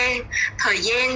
thời gian tốc độ giao hàng